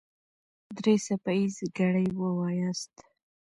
درې څپه ايزه ګړې وواياست.